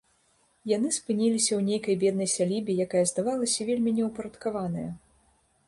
Яны спыніліся ў нейкай беднай сялібе, якая здавалася вельмі неўпарадкаваная.